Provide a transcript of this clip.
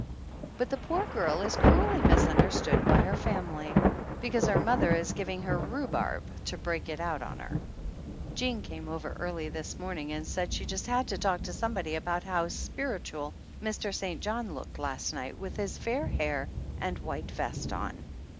But the poor girl is cruelly misunderstood by her family, because her mother is giving her rhubarb to break it out on her. Jean came over early this morning and said she just had to talk to somebody about how spiritual Mr. St. John looked last night with his fair hair and white vest on.